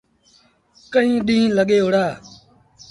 ڪئيٚن ڏيٚݩهݩ لڳي وُهڙآ۔